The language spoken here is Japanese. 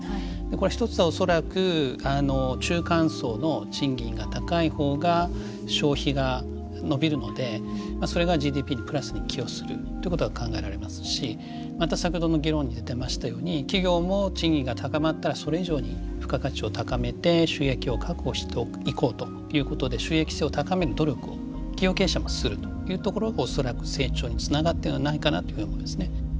これは一つは恐らく中間層の賃金が高い方が消費が伸びるのでそれがＧＤＰにプラスに寄与するということが考えられますしまた先ほどの議論に出てましたように企業も賃金が高まったらそれ以上に付加価値を高めて収益を確保していこうということで収益性を高める努力を企業経営者もするというところが恐らく成長につながってるんではないかなというふうに思いますね。